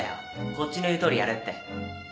こっちの言うとおりやれって